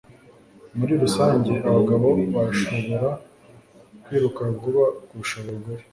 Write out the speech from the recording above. Muri rusange abagabo barashobora kwiruka vuba kurusha abagore